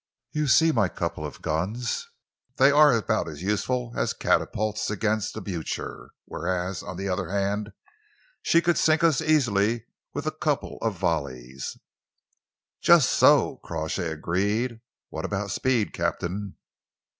You see my couple of guns? They are about as useful as catapults against the Blucher, whereas, on the other hand, she could sink us easily with a couple of volleys." "Just so," Crawshay agreed. "What about speed, Captain?"